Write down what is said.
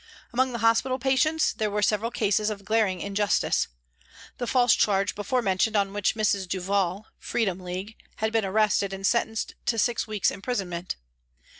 Among the hospital patients there were several cases of glaring injustice. The false charge before mentioned on which Mrs. Duval (Freedom League) had been arrested and sentenced to six weeks' imprisonment.